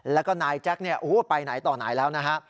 แล้วก็นายแจ็คไปไหนต่อไหนแล้วนะฮะ